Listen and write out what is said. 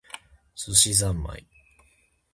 寿司ざんまい